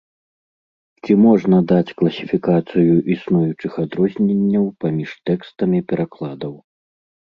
Ці можна даць класіфікацыю існуючых адрозненняў паміж тэкстамі перакладаў?